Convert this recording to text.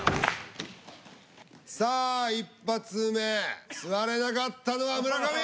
さあ１発目座れなかったのは村上。